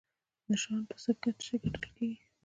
نشان په څه شي ګټل کیږي؟